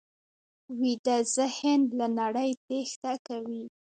ویده ذهن له نړۍ تېښته کوي